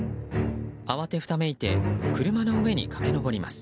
慌てふためいて車の上に駆け上ります。